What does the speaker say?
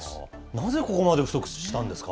なぜここまで不足したんですか。